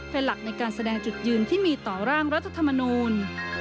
เป็นหลักในการแสดงจุดยืนที่มีต่อร่างรัฐธรรมนูล